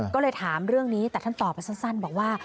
ก็เลยถามเรื่องนี้แต่ท่านตอบไปสั้นบอกว่า